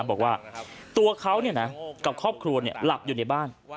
บอกว่าตัวเขาเนี่ยนะกับครอบครัวเนี่ยหลับอยู่ในบ้าน